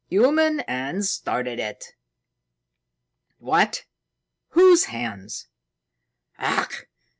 "Human hands started it." "What! Whose hands?" "_Ach!